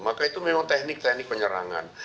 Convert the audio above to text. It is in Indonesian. maka itu memang teknik teknik penyerangan